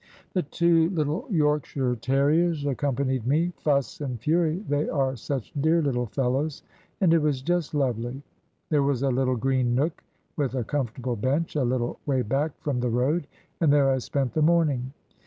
"The two little Yorkshire terriers accompanied me Fuss and Fury they are such dear little fellows, and it was just lovely! There was a little green nook, with a comfortable bench, a little way back from the road, and there I spent the morning.